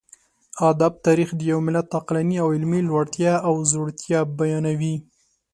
ادب تاريخ د يوه ملت عقلاني او علمي لوړتيا او ځوړتيا بيانوي.